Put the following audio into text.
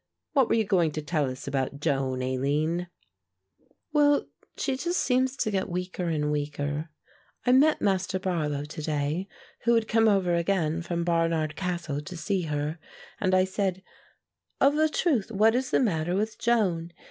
What were you going to tell us about Joan, Aline?" "Well, she just seems to get weaker and weaker. I met Master Barlow to day, who had come over again from Barnard Castle to see her and I said, 'Of a truth, what is the matter with Joan?